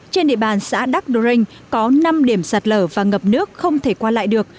trên địa bàn xã đắc đô rinh có năm điểm sạt lở và ngập nước không thể qua lại được